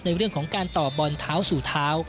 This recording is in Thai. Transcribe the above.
ในเรื่องของการต่อบอลเท้าสู่เท้า